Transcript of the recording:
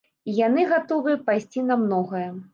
І яны гатовыя пайсці на многае.